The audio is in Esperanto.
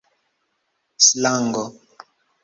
slango